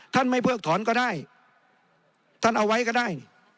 ท่านไม่เพิกถอนก็ได้ท่านเอาไว้ก็ได้